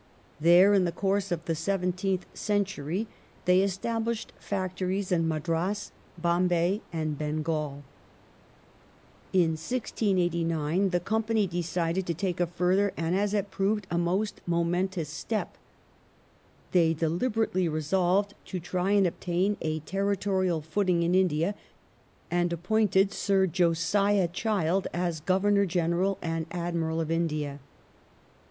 There in the course of the seventeenth century they established factories in Madras, Bombay, and Bengal. In 1689 the Company decided to take a further, and as it proved, a most momentous step. They deliberately resolved to try and obtain a tenitorial footing in India, and appointed Sir Josia Child as " Governor General and Admiral of India